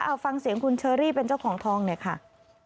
เอาฟังเสียงคุณเชอรี่เป็นเจ้าของทองหน่อยค่ะ